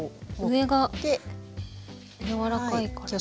上が柔らかいから。